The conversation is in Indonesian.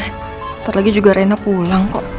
ntar lagi juga rena pulang kok